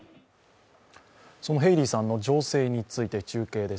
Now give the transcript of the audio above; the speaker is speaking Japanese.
そのヘイリーさんの情勢について中継です。